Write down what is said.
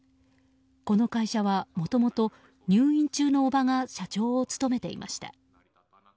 この会社はもともと入院中の叔母が社長を務めていました。